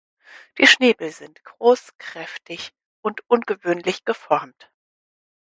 Die Schnäbel sind groß, kräftig und ungewöhnlich geformt.